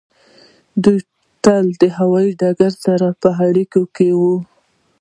دوی تل د هوایی ډګر سره په اړیکه کې وي